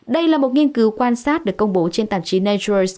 đây là một nghiên cứu quan sát được công bố trên tạp chí nature